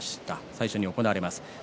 最初に行われます。